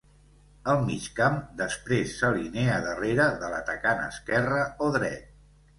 El migcamp després s"alinea darrera de l"atacant esquerre o dret.